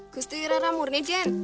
putri rara murni den